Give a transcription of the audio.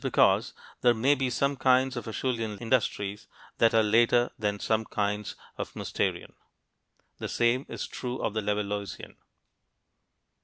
This means that there may be some kinds of Acheulean industries that are later than some kinds of "Mousterian." The same is true of the Levalloisian.